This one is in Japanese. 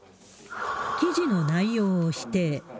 記事の内容を否定。